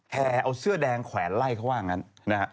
แฮเอาเสื้อแดงแขวนไล่เข้าว่างั้น